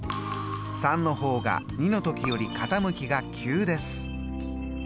３の方が２の時より傾きが急です。